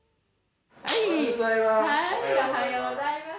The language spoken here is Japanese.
おはようございます。